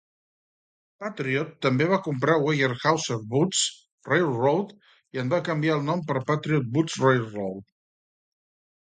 Patriot també va comprar Weyerhauser Woods Railroad, i en va canviar el nom per Patriot Woods Railroad.